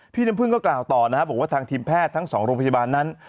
พี่น้ำพึ่งก็กล่าวต่อนะครับบอกว่าทางทีมแพทย์ทั้ง๒โรงพยาบาลนั้น